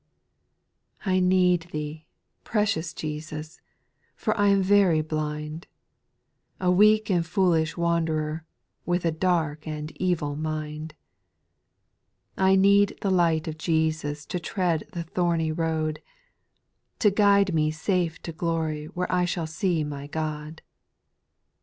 4. I need Thee, precious Jesus I for I am very blind, A weak and foolish wanderer, with a dark and evil mind ; I need the light of Jesus to tread the thorny road, To guide me safe to glory where I shall see my God.